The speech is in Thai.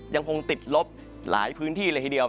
ยังคงติดลบหลายพื้นที่เลยทีเดียว